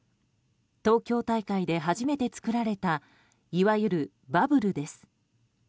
東京大会で初めて作られたいわゆるバブルです。